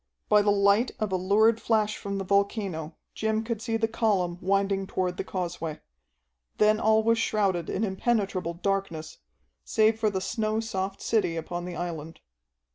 By the light of a lurid flash from the volcano Jim could see the column winding toward the causeway. Then all was shrouded in impenetrable darkness, save for the snow soft city upon the island.